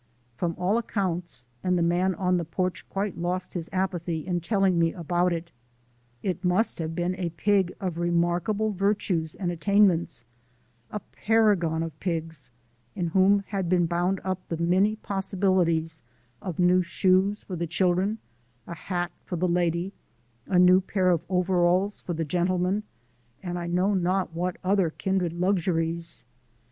From all accounts (and the man on the porch quite lost his apathy in telling me about it) it must have been a pig of remarkable virtues and attainments, a paragon of pigs in whom had been bound up the many possibilities of new shoes for the children, a hat for the lady, a new pair of overalls for the gentleman, and I know not what other kindred luxuries.